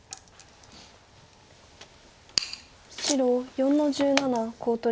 白４の十七コウ取り。